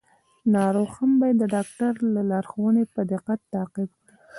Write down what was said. ناروغ هم باید د ډاکټر لارښوونې په دقت تعقیب کړي.